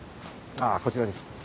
ああこちらです。